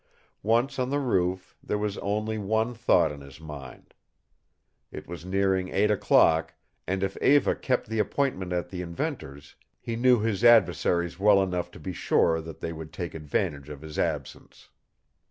Once on the roof, there was only one thought in his mind. It was nearing eight o'clock, and if Eva kept the appointment at the inventor's he knew his adversaries well enough to be sure that they would take advantage of his absence.